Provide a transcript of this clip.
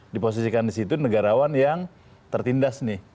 diposisikan di situ negarawan yang tertindas nih